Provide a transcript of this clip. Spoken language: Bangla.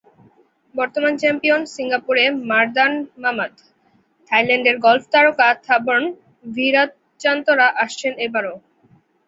বর্তমান চ্যাম্পিয়ন সিঙ্গাপুরে মারদান মামাত, থাইল্যান্ডের গলফ তারকা থাবর্ন ভিরাতচান্তরা আসছেন এবারও।